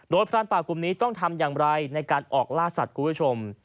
พรานป่ากลุ่มนี้ต้องทำอย่างไรในการออกล่าสัตว์คุณผู้ชม